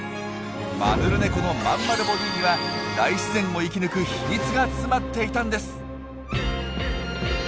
マヌルネコのまんまるボディーには大自然を生き抜く秘密が詰まっていたんです！